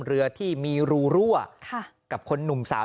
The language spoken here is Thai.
เรือที่มีรูรั่วกับคนหนุ่มสาว